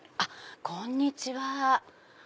こんにちは。